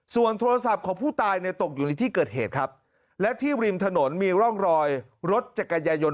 ส่วนโทรศัพท์ของผู้ตายเนี่ยตกอยู่ในที่เกิดเหตุครับและที่ริมถนนมีร่องรอยรถจักรยายน